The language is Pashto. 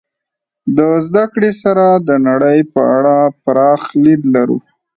د زدهکړې سره د نړۍ په اړه پراخ لید لرو.